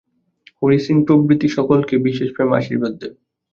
হরি সিং প্রভৃতি সকলকে বিশেষ প্রেম আশীর্বাদ দিবে।